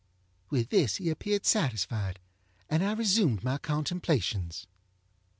With this he appeared satisfied, and I resumed my contemplations.